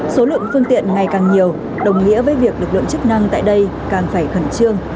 số lượng phương tiện ngày càng nhiều đồng nghĩa với việc lực lượng chức năng tại đây càng phải khẩn trương